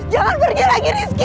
jangan pergi lagi rizky